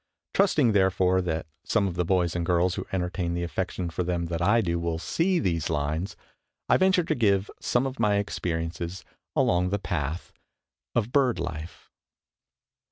Trusting, therefore, that some of the boys and girls who entertain the affection for them that I do, will see these lines, I venture to give some of my experiences along the path of bird life.